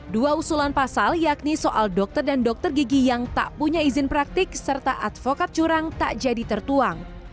dua usulan pasal yakni soal dokter dan dokter gigi yang tak punya izin praktik serta advokat curang tak jadi tertuang